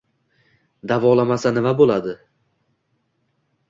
Davolamasa nima bo‘ladi?